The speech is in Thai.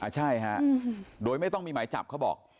ใช่ฮะโดยไม่ต้องมีหมายจับเขาบอก